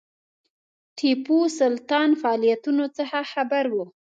ټیپو سلطان فعالیتونو څخه خبر وو.